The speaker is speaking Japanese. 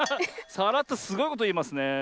さらっとすごいこといいますねえ。